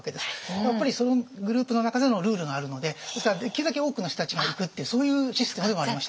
やっぱりそのグループの中でのルールがあるのでですからできるだけ多くの人たちが行くっていうそういうシステムでもありました。